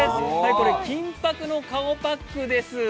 金ぱくの顔パックです。